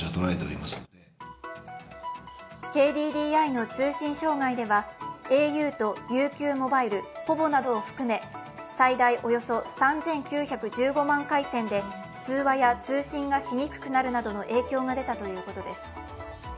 ＫＤＤＩの通信障害ではａｕとＵＱｍｏｂｉｌｅ、ｐｏｖｏなどを含め最大およそ３９１５万回線で通話や通信がしにくくなる影響が出たということです。